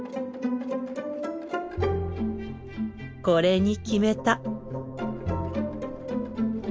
これに決めた。